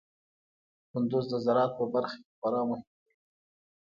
کندز د زراعت په برخه کې خورا مهم دی.